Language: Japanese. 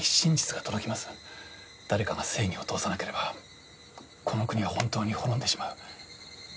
誰かが正義を通さなければこの国は本当に滅んでしまう。